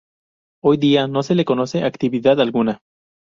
Hoy día no se le conoce actividad alguna.